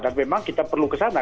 dan memang kita perlu ke sana